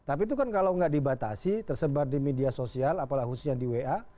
tapi itu kan kalau nggak dibatasi tersebar di media sosial apalagi khususnya di wa